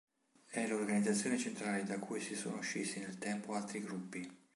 È l'organizzazione centrale da cui si sono scissi nel tempo altri gruppi.